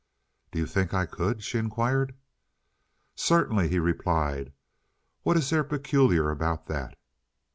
"Do you think I could?" she inquired. "Certainly," he replied. "What is there peculiar about that?"